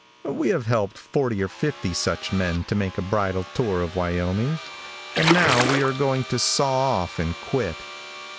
We have helped forty or fifty such men to make a bridal tour of Wyoming and now we are going to saw off and quit.